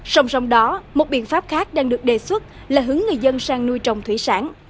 song song đó một biện pháp khác đang được đề xuất là hướng người dân sang nuôi trồng thủy sản